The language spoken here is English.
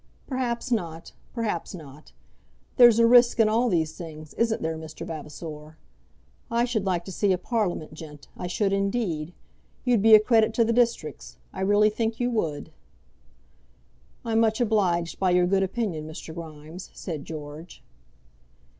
"Perhaps not; perhaps not. There's a risk in all these things; isn't there, Mr. Vavasor? I should like to see you a Parliament gent; I should indeed. You'd be a credit to the districts; I really think you would." "I'm much obliged by your good opinion, Mr. Grimes," said George.